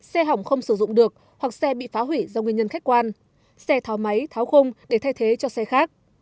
xe hỏng không sử dụng được hoặc xe bị phá hủy do nguyên nhân khách quan xe tháo máy tháo khung để thay thế cho xe khác